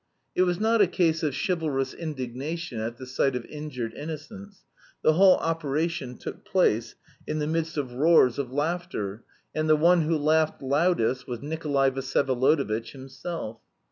It was not a case of chivalrous indignation at the sight of injured innocence; the whole operation took place in the midst of roars of laughter, and the one who laughed loudest was Nikolay Vsyevolodovitch himself.